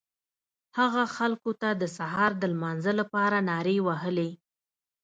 هغه خلکو ته د سهار د لمانځه لپاره نارې وهلې.